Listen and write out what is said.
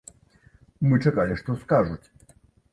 Мы чакалі, што скажуць.